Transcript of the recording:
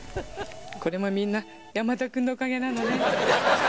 これもみんな山田君のおかげなのね。